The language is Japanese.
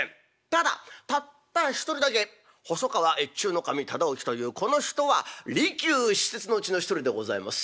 ただたった１人だけ細川越中守忠興というこの人は利休七哲のうちの一人でございます。